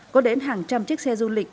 có đến hàng trăm chiếc xe du lịch